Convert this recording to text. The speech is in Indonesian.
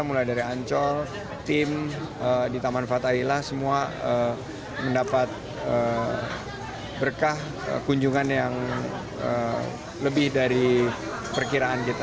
mulai dari ancol tim di taman fathailah semua mendapat berkah kunjungan yang lebih dari perkiraan kita